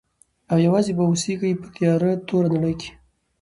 او یوازي به اوسیږي په تیاره توره نړۍ کي.